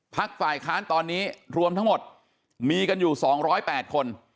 ฝ่ายค้านตอนนี้รวมทั้งหมดมีกันอยู่๒๐๘คน